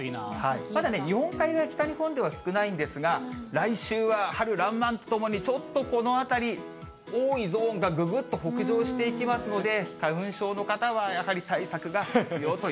ただ、日本海側や北日本では少ないんですが、来週は春らんまんとともにちょっと、この辺り、多いゾーンがぐぐっと北上していきますので、花粉症の方はやはり対策が必要という。